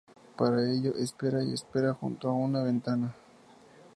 Para ello espera y espera junto a una ventana.